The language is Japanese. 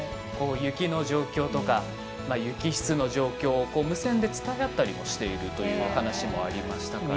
雪の状況とか雪質の状況を無線で伝え合ってるというお話もありました。